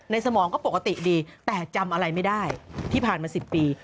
สมองก็ปกติดีแต่จำอะไรไม่ได้ที่ผ่านมา๑๐ปี